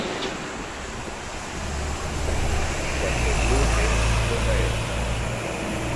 Cuando Blue Demon Jr.